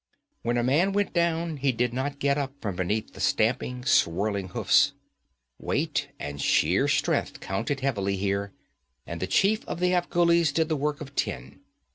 When a man went down he did not get up from beneath the stamping, swirling hoofs. Weight and sheer strength counted heavily there, and the chief of the Afghulis did the work of ten.